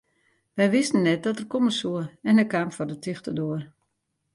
Wy wisten net dat er komme soe en hy kaam foar de tichte doar.